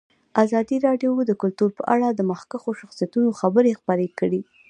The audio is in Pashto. ازادي راډیو د کلتور په اړه د مخکښو شخصیتونو خبرې خپرې کړي.